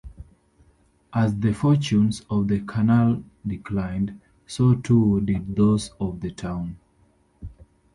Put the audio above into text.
As the fortunes of the canal declined, so too did those of the town.